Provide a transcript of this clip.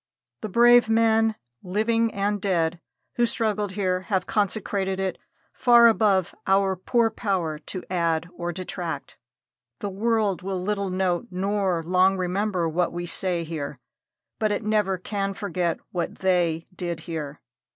The brave men, living and dead, who struggled here have consecrated it far above our poor power to add or detract. The world will little note nor long remember what we say here, but it never can forget what they did here.